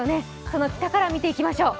その北から見ていきましょう。